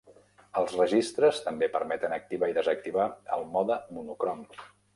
Els registres també permeten activar i desactivar el mode monocrom.